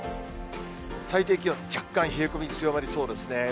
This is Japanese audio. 最低気温、若干冷え込み強まりそうですね。